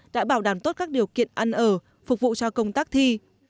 đã bảo đảm tốt các điều kiện ăn ở phục vụ cho công tác thi